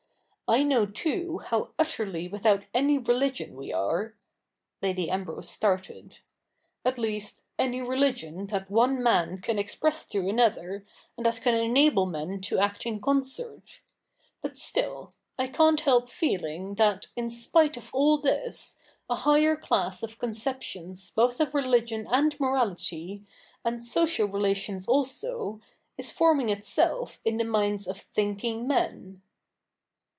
I know too how utterly without any religion we are' — (Lady Ambrose started) — 'at least. CH. ii] THE NEW REPUBLIC 93 any religion that one man can express to another, and that can enable men to act in concert. But still, I can't help feeling that, in spite of all this, a higher class of conceptions both of religion and morality, and social relations also, is forming itself in the minds of thinking men.'